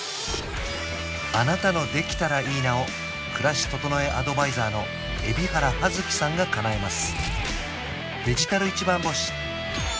あなたの「できたらいいな」を暮らし整えアドバイザーの海老原葉月さんがかなえます